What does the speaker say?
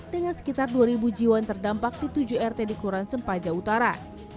dengan sekitar dua jiwa yang terdampak di tujuh rt di kelurahan sempaja utara